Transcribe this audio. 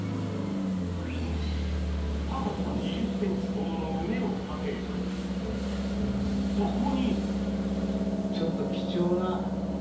高さ２０ｃｍほどの畝を立てそこにちょっと。